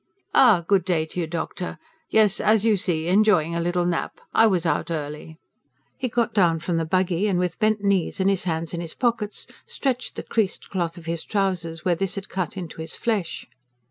"Ah, good day to you, doctor! Yes, as you see, enjoying a little nap. I was out early." He got down from the buggy and, with bent knees and his hands in his pockets, stretched the creased cloth of his trousers, where this had cut into his flesh.